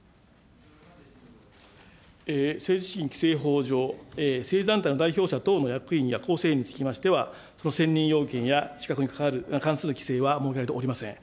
政治資金規正法上、の役員や構成員につきましては、選任要件やに関する規制は設けられておりません。